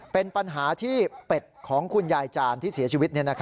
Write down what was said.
เป็นปัญหาที่เป็ดของคุณยายจานที่เสียชีวิต